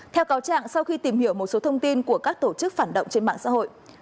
theo cáo trạng sau khi tìm hiểu một số thông tin của các tổ chức phản động trên mạng xã hội